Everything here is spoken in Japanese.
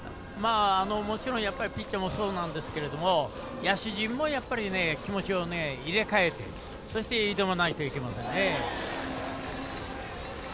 もちろん、ピッチャーもそうなんですけど野手陣も、やっぱり気持ちを入れ替えてそして、挑まないといけませんね。